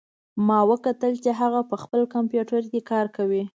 ما وکتل چې هغه په خپل کمپیوټر کې کار کوي